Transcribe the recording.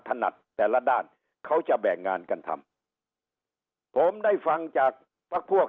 ถนัดแต่ละด้านเขาจะแบ่งงานกันทำผมได้ฟังจากพักพวก